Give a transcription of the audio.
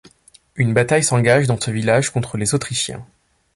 Une bataille s'engage dans ce village contre les Autrichiens.